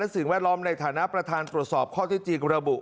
สิ่งแวดล้อมในฐานะประธานตรวจสอบข้อที่จริงระบุ